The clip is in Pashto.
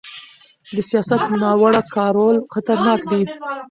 د سیاست ناوړه کارول خطرناک دي